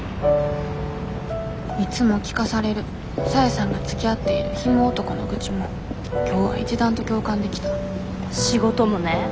いつも聞かされる沙瑛さんがつきあっているヒモ男の愚痴も今日は一段と共感できた仕事もね